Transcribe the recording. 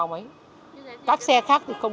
hay là xe buýt thường không